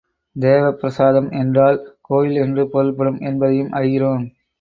தேவப் பிரசாதம் என்றால் கோயில் என்று பொருள்படும் என்பதையும் அறிகிறோம்.